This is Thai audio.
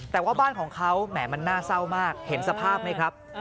แต่ว่าบ้านของเขาแหมมันน่าเศร้ามากเห็นสภาพไหมครับ